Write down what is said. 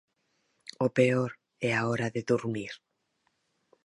O peor é a hora de durmir.